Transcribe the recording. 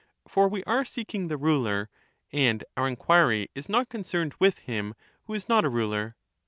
For we are seeking the ruler; and our enquiry is not concerned with him who is not a ruler.